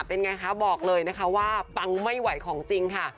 เป็นไงคะบอกเลยนะคะว่าปังไม่ไหวของจริงค่ะ